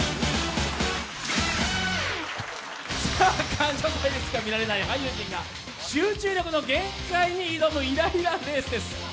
「感謝祭」でしか見られない俳優陣が集中力の限界に挑むイライラレースです。